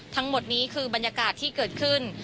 ทั้งหมดนี้คือบรรยากาศที่เกิดขึ้น